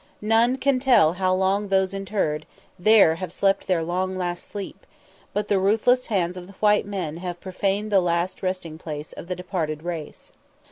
None can tell how long those interred there have slept their last long sleep, but the ruthless hands of the white men have profaned the last resting place of the departed race.